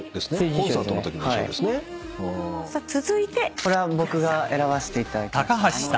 これは僕が選ばせていただきました。